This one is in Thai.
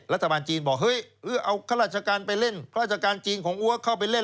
รัฐบาลจีนบอกเอาราชการไปเล่นราชการจีนของอัวกเข้าไปเล่น